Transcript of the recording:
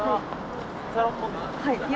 はい。